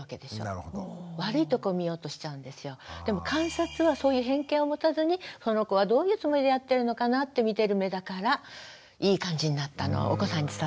でも観察はそういう偏見を持たずにこの子はどういうつもりでやってるのかなってみてる目だからいい感じになったのお子さんに伝わったんだと思いますよ。